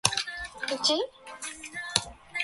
石川県能登町